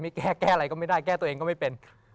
แก้แก้อะไรก็ไม่ได้แก้ตัวเองก็ไม่เป็น